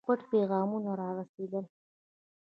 پټ پیغامونه را رسېدل.